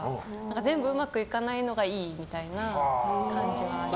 全部うまくいかないのがいいみたいな感じはあります。